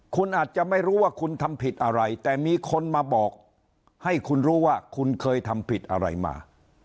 คุณอาจจะไม่รู้ว่าคุณทำผิดอะไรแต่มีคนมาบอกให้คุณรู้ว่าคุณเคยทำผิดอะไรมา